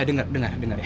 dengar dengar dengar ya